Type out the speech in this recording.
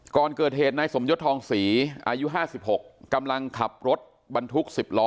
ก่อนเกิดเหตุนายสมยศทองศรีอายุ๕๖กำลังขับรถบรรทุก๑๐ล้อ